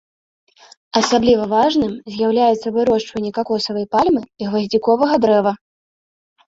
Асабліва важным з'яўляюцца вырошчванне какосавай пальмы і гваздзіковага дрэва.